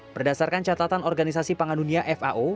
berdasarkan catatan organisasi pangan dunia fao